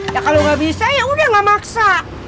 ya kalau nggak bisa ya udah gak maksa